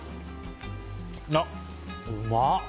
あ、うまっ！